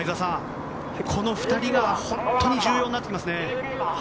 この２人が本当に重要になってきますね。